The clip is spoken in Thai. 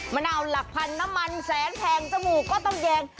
มะนาวหลักพันน้ำมันแสนแพงจมูกก็ต้องแยง